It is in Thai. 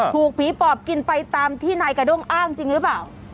ถูกผีปอบกินไปตามที่นายกระด้งอ้างจริงหรือเปล่า